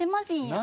何？